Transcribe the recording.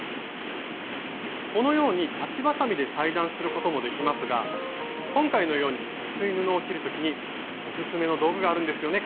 このように裁ちばさみで裁断することもできますが今回のように薄い布を切る時にオススメの道具があるんですよね